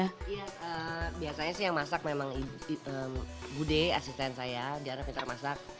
ya biasanya sih yang masak memang gude asisten saya diarah pintar masak